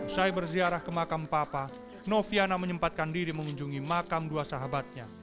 usai berziarah ke makam papa noviana menyempatkan diri mengunjungi makam dua sahabatnya